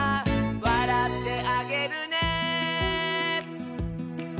「わらってあげるね」